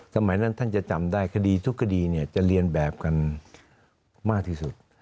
สมัยนั้นท่านจะจำได้คดีทุกคดีจะเรียนแบบกันมากที่สุด